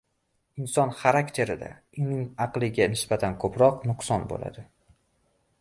Inson xarakterida uning aqliga nisbatan ko‘proq nuqson bo‘ladi.